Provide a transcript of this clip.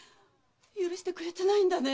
許してくれてないんだね？